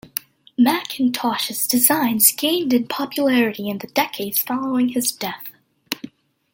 Mackintosh's designs gained in popularity in the decades following his death.